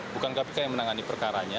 bukan kpk yang menangani perkaranya